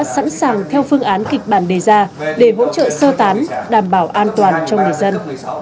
sẵn sàng theo phương án kịch bản đề ra để hỗ trợ sơ tán đảm bảo an toàn cho người dân